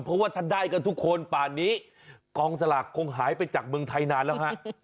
เพราะว่าถ้าได้กันทุกคนป่านนี้กองสลากคงหายไปจากเมืองไทยนานแล้วฮะ